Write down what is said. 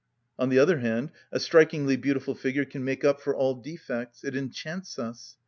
On the other hand, a strikingly beautiful figure can make up for all defects: it enchants us.